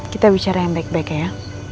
kita bicara yang baik baik ya